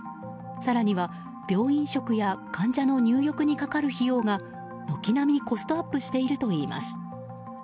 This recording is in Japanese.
更には病院食や患者の入浴にかかる費用が軒並みコストアップしているといいます。